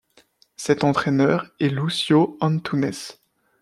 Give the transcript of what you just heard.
C'est entraineur est Lúcio Antunes.